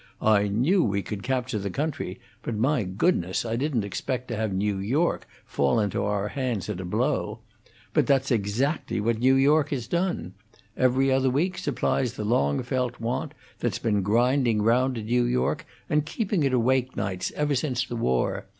I knew we could capture the country; but, my goodness! I didn't expect to have New York fall into our hands at a blow. But that's just exactly what New York has done. 'Every Other Week' supplies the long felt want that's been grinding round in New York and keeping it awake nights ever since the war.